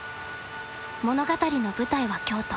物語の舞台は京都。